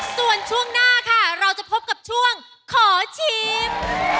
ส่วนช่วงหน้าค่ะเราจะพบกับช่วงขอชิม